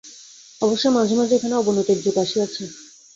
অবশ্য মাঝে মাঝে এখানে অবনতির যুগ আসিয়াছে।